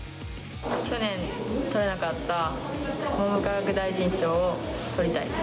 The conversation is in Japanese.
去年とれなかった文部科学大臣賞を取りたいです。